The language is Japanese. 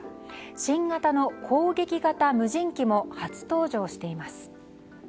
新型の攻撃型無人機も初登場しています。